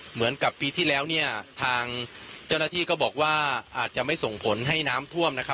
เหมือนกับปีที่แล้วเนี่ยทางเจ้าหน้าที่ก็บอกว่าอาจจะไม่ส่งผลให้น้ำท่วมนะครับ